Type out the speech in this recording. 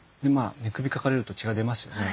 寝首かかれると血が出ますよね。